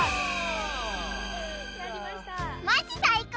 マジ最高！